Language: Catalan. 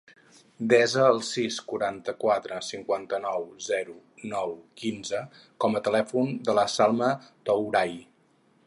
Desa el sis, quaranta-quatre, cinquanta-nou, zero, nou, quinze com a telèfon de la Salma Touray.